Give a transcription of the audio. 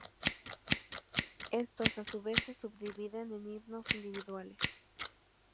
Estos a su vez se subdividen en himnos individuales.